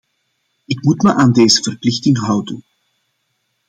Ik moet me aan deze verplichting houden.